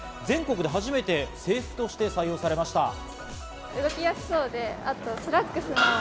全国で初めて制服として採用されました。